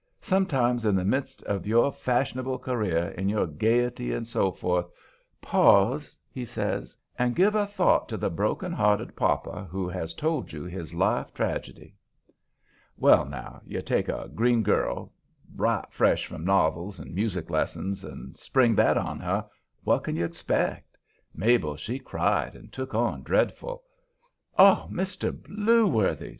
Sometimes in the midst of your fashionable career, in your gayety and so forth, pause," he says, "and give a thought to the broken hearted pauper who has told you his life tragedy." Well, now, you take a green girl, right fresh from novels and music lessons, and spring that on her what can you expect? Mabel, she cried and took on dreadful. "Oh, Mr. Blueworthy!"